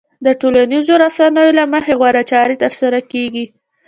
د ټولنيزو رسنيو له مخې غوره چارې ترسره کېږي.